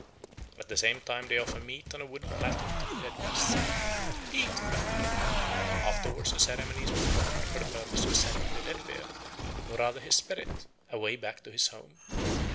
At the same time they offer meat on a wooden platter to the dead beast, saying, "Eat, friend." Afterwards a ceremony is performed for the purpose of sending the dead bear, or rather his spirit, away back to his home.